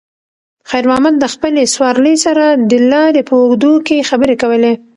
خیر محمد د خپلې سوارلۍ سره د لارې په اوږدو کې خبرې کولې.